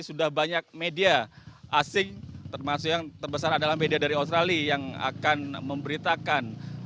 sudah banyak media asing termasuk yang terbesar adalah media dari australia yang akan memberitakan